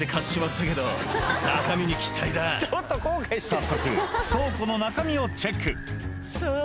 早速倉庫の中身をチェックさぁ